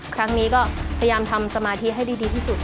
ครั้งนี้ก็พยายามทำสมาธิให้ดีที่สุด